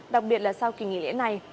đặc biệt là sau kỳ nghỉ lễ này